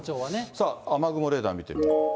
さあ、雨雲レーダー見てみましょう。